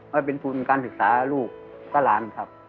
ไปเป็นทุนการศึกษาลูกและหลานครับ